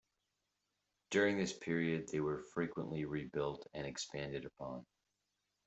During this period they were frequently rebuilt and expanded upon.